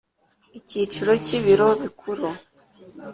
Icyiciro cy Ibiro Bikuru